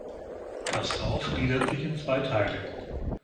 Das Dorf gliedert sich in zwei Teile.